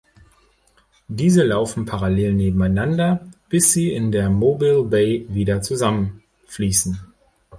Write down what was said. Diese laufen parallel nebeneinander, bis sie in der Mobile Bay wieder zusammenfließen.